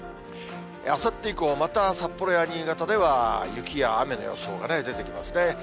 あさって以降はまた札幌や新潟では雪や雨の予想が出てきますね。